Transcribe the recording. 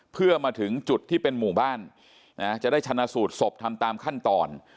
เพื่อมาถึงจุดที่เป็นหมู่บ้านนะจะได้ชนะสูตรศพทำตามขั้นตอน